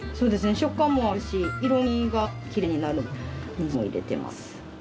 食感もあるし色みがきれいになるのでにんじんも入れてます。